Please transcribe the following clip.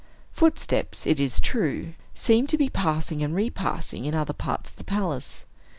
Footsteps, it is true, seemed to be passing and repassing, in other parts of the palace.